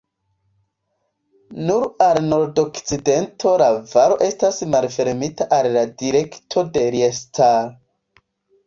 Nur al nordokcidento la valo estas malfermita al la direkto de Liestal.